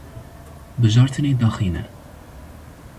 Bijartinê daxîne.